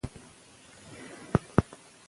که مادي ژبه وي، نو د زده کوونکي ذهن ته ثبات ورکوي.